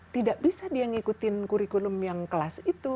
tidak bisa dia ngikutin kurikulum yang kelas itu